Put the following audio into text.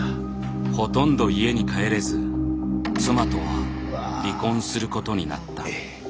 ほとんど家に帰れず妻とは離婚することになった。